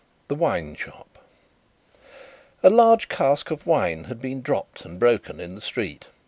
The Wine shop A large cask of wine had been dropped and broken, in the street.